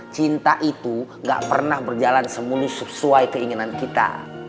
cinta itu gak pernah berjalan semulus sesuai keinginan kita